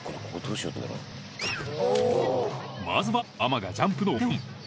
まずはママがジャンプのお手本。